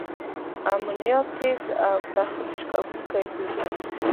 امونیا تیز او تخریش کوونکي بوی لري.